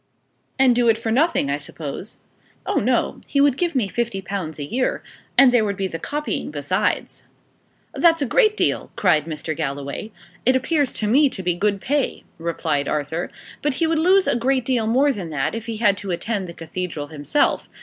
"And do it for nothing, I suppose?" "Oh no. He would give me fifty pounds a year. And there would be the copying besides." "That's a great deal!" cried Mr. Galloway. "It appears to me to be good pay," replied Arthur. "But he would lose a great deal more than that, if he had to attend the cathedral himself.